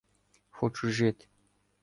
Хочу жити.